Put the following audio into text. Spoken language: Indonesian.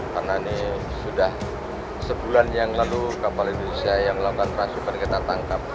karena ini sudah sebulan yang lalu kapal indonesia yang melakukan transduk yang kita tangkap